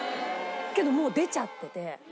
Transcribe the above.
けどもう出ちゃってて。